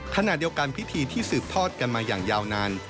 ขณะเดียวกันพิธีที่สืบทอดกันมาอย่างยาวนาน